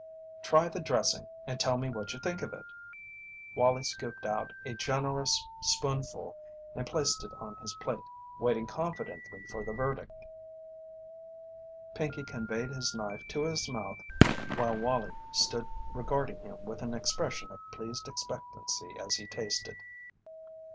"Try the dressing and tell me what you think of it." Wallie scooped out a generous spoonful and placed it on his plate, waiting confidently for the verdict. Pinkey conveyed his knife to his mouth while Wallie stood regarding him with an expression of pleased expectancy as he tasted.